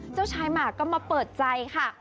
เจ้าชายหมากก็มาเปิดใจค่ะ